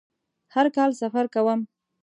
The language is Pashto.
هر کال سفر کوم